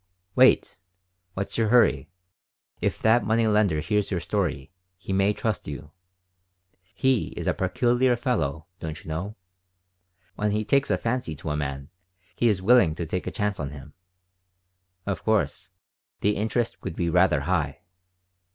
"Wait. What's your hurry? If that money lender hears your story, he may trust you. He is a peculiar fellow, don't you know. When he takes a fancy to a man he is willing to take a chance on him. Of course, the interest would be rather high."